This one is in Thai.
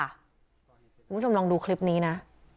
คุณผู้ชมลองดูคลิปนี้นะ